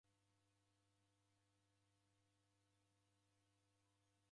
Habari rafunyire w'uloli.